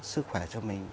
sức khỏe cho mình